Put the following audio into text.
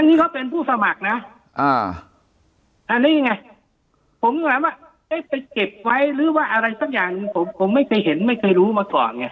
อันนี้เขาเป็นผู้สมัครนะอันนี้ไงผมก็ถามว่าเอ๊ะไปเก็บไว้หรือว่าอะไรสักอย่างหนึ่งผมไม่เคยเห็นไม่เคยรู้มาก่อนไง